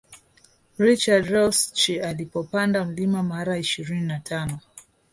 Richard reusch alipopanda mlima mara ishirini na tano